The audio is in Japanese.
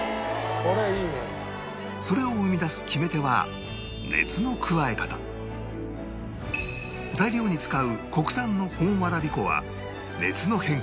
それを生み出す決め手は材料に使う国産の本わらび粉は熱の変化に敏感